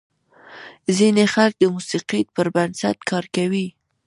ځینې خلک د موسیقۍ پر بنسټ کار کوي.